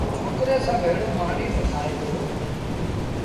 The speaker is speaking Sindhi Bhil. ڇوڪري سآݩ ڀيڙو مآݩيٚ با کآئي دو۔